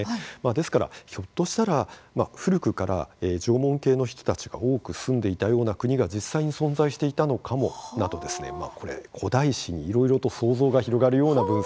ですから、ひょっとしたら古くから縄文系の人たちが多く住んでいたうような国が実際に存在していたのかも、など古代史にいろいろと想像が広がるような分析結果だったんです。